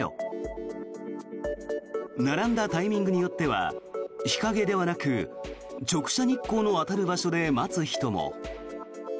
並んだタイミングによっては日陰ではなく直射日光の当たる場所で待つ人も。